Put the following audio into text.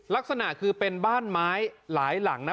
ลักษณะคือเป็นบ้านไม้หลายหลังนะ